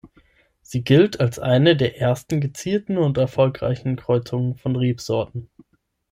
Sie gilt als eine der ersten gezielten und erfolgreichen Kreuzungen von Rebsorten.